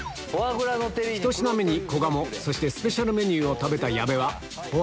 １品目に小鴨そしてスペシャルメニューを食べた矢部やめぇ。